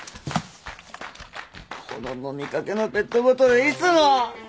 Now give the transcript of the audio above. この飲みかけのペットボトルいつの！？